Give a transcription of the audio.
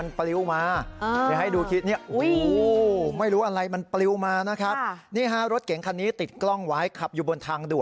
นี้แหละครับเปรี้ยงเดียวคุณแตกเลยนะฮะ